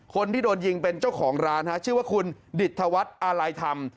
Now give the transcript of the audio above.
คนที่โดนยิงเป็นเจ้าของร้านฮะชื่อว่าคุณดิตธวัฒน์อาลัยธรรม